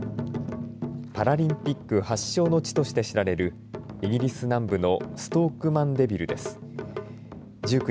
パラリンピック発祥の地として知られるイギリス南部のストーク・マンデビルです。